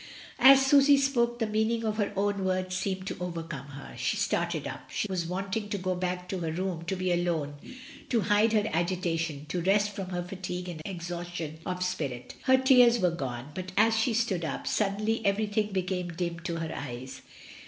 As Susy spoke the meaning of her own words seemed to overcome her. She started up. She was wanting to get back to her own room, to be alone, to hide her agitation, to rest from her fatigue and exhaustion of spirit. Her tears were gone, but as she stood up, suddenly everything became dim to her eyes.